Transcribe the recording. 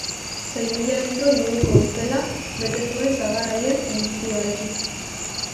Sei mila litro inguruko upela bete zuen sagar haien muztioarekin.